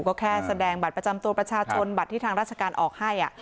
ก็แค่แสดงบัตรประจำตัวประชาชนบัตรที่ทางราชการออกให้